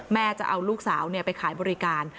จะเอาลูกสาวไปขายบริการ